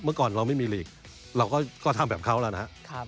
เมื่อก่อนเราไม่มีหลีกเราก็ทำแบบเขาแล้วนะครับ